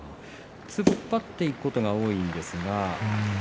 突っ張っていくことが多いんですが。